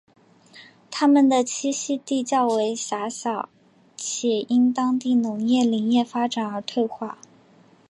它们的栖息地较为狭小且因当地农业林业发展而退化。